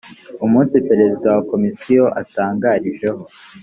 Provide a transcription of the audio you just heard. umunsi perezida wa komisiyo atangarijeho